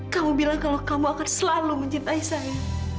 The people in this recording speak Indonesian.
kamu bilang kalau kamu akan selalu mencintai saya